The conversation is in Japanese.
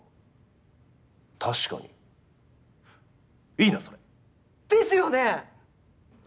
確かにいいなそれ！ですよね！